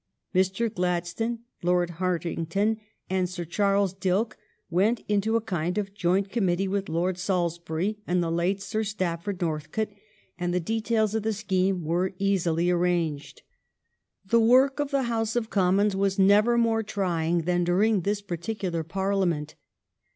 Mr. Gladstone, Lord Hartington, and Sir Charles Dilke went into a kind of joint committee with Lord Salis bury and the late Sir Stafford Northcote, and the details of the scheme were easily arranged. The work of the House of Commons was never more trying than during this particular Parliament.